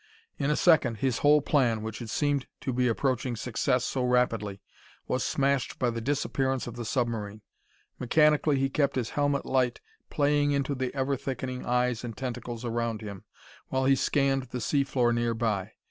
In a second, his whole plan, which had seemed to be approaching success so rapidly, was smashed by the disappearance of the submarine. Mechanically he kept his helmet light playing into the ever thickening eyes and tentacles around him, while he scanned the sea floor nearby.